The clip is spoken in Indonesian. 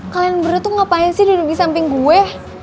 kalian berdua tuh ngapain sih duduk di samping gue